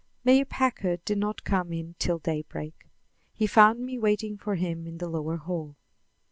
Mayor Packard did not come in till daybreak. He found me waiting for him in the lower hall.